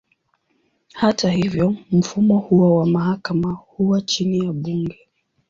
Hata hivyo, mfumo huo wa mahakama huwa chini ya bunge.